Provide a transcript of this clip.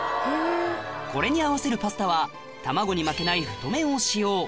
これに合わせるパスタは卵に負けない太麺を使用